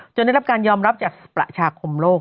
ได้รับการยอมรับจากประชาคมโลก